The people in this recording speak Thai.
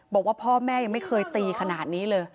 บอกว่าพ่อแม่ยังไม่เคยตีขนาดนี้เลย